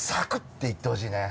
ていってほしいね。